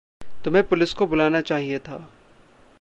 तुम्हें पुलिस को बुलाना चाहिए था।